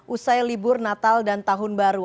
usai libur natal dan tahun baru